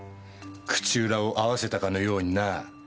口裏を合わせたかのようにな。